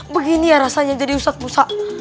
begini ya rasanya jadi usak usak